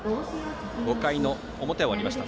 ５回の表を終わりました。